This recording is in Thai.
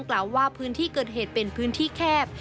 กล่าวว่าพื้นที่เกิดเหตุเป็นพื้นที่แคบ